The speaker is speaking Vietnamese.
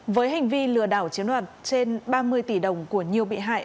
với hành vi lừa đảo chiếm đoạt trên ba mươi tỷ đồng của nhiều bị hại